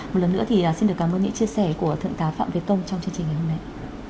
một lần nữa thì xin được cảm ơn những chia sẻ của thượng tá phạm việt tông trong chương trình ngày hôm nay